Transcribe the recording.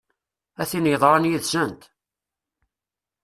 A tin yeḍran yid-sent!